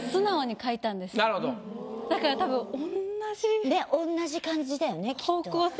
だからたぶん同じ感じだよねきっと。